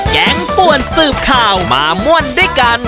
แกงป้วนซื้อปข่าวมามวนด้วยกัน